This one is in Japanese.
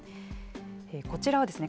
こちらはですね